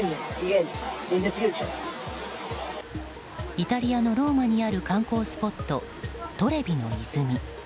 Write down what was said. イタリアのローマにある観光スポット、トレビの泉。